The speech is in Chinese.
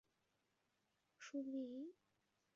叙里埃布瓦。